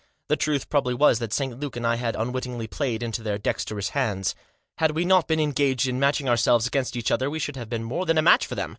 The truth probably was that St Luke and I had unwittingly played into their dexterous hands. Had we not been engaged in matching ourselves against each other we should have been more than a match for them.